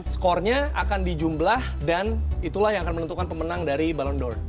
skornya akan dijumblah dan itulah yang akan menentukan pemenang dari ballon d or